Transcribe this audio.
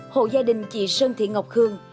hồ gia đình chị sơn thị ngọc khương